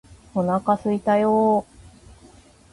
お腹すいたよーー